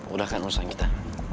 udah kan urusan kita